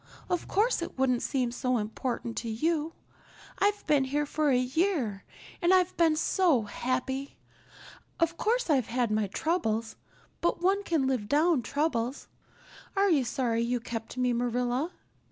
Of course it wouldn't seem so important to you. I've been here for a year and I've been so happy. Of course, I've had my troubles, but one can live down troubles. Are you sorry you kept me, Marilla?"